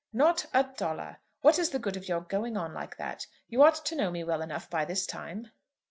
"Not a dollar! What is the good of your going on like that? You ought to know me well enough by this time."